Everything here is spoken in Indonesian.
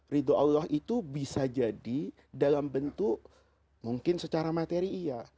ridho allah itu bisa jadi dalam bentuk mungkin secara materi iya